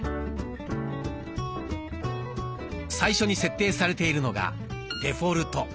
最初に設定されているのが「デフォルト」。